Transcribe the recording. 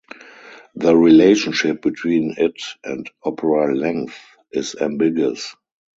The relationship between it and "opera length" is ambiguous.